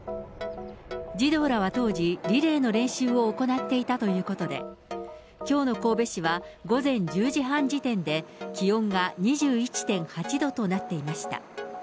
児童らは当時、リレーの練習を行っていたということで、きょうの神戸市は、午前１０時半時点で、気温が２１．８度となっていました。